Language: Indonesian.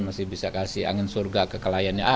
masih bisa kasih angin surga kekelahiannya